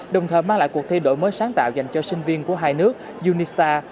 đồng thời mang lại cuộc thi đổi mới sáng tạo dành cho sinh viên của hai nước unistar